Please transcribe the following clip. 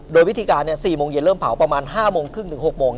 โดยวิธีการ๔โมงเย็นเริ่มเผาประมาณ๕โมงครึ่งถึง๖โมง